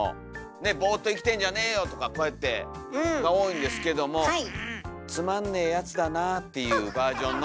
ねえ「ボーっと生きてんじゃねーよ！」とかこうやってが多いんですけども「つまんねーやつだな」っていうバージョンの。